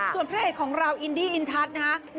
ส่วนเพลงของเราอินดีอินทัศน์นะฮะ